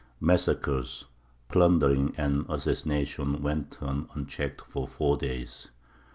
Massacres, plundering, and assassination went on unchecked for four days.